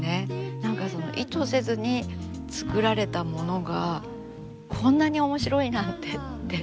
何か意図せずに作られたものがこんなに面白いなんてって。